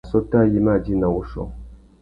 Assôtô ayê i mà djï nà wuchiô.